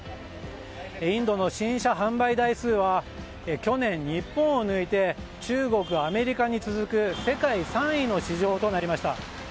インドの新車販売台数は去年、日本を抜いて中国、アメリカに続く世界３位の市場となりました。